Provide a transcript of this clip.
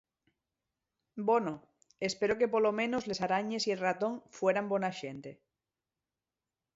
Bono, espero que polo menos les arañes y el ratón fueran bona xente.